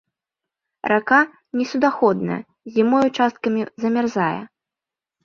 Рака несуднаходная, зімой ўчасткамі замярзае.